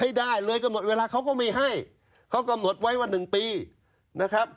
ไม่ได้เลยกำหนดเวลาเขาก็ไม่ให้เขากำหนดไว้ว่าหนึ่งปีนะครับ